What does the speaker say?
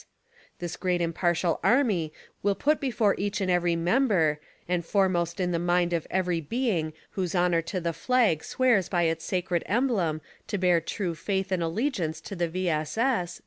This great impartial army will put before each and every member, and foremost in the mind of every being whose honor to the flag swears by its sacred emblem to bear true faith and allegiance to the V. S. S.